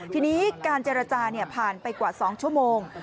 ทีนี้การเจรจาผ่านไปกว่า๒ชั่วโมง